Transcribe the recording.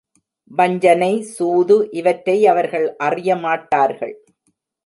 வஞ்சனை, சூது இவற்றை அவர்கள் அறியமாட்டார்கள்.